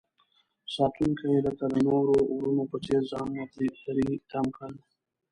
ساتونکي لکه د نورو ورونو په څیر ځانونه تری تم کړل.